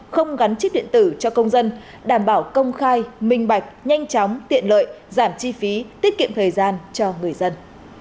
không gắn chip điện tử cho công dân đảm bảo công khai minh bạch nhanh chóng tiện lợi giảm chi phí tiết kiệm thời gian cho người dân